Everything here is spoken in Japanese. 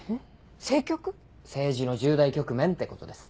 政治の重大局面ってことです。